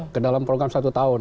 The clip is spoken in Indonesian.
ke dalam program satu tahun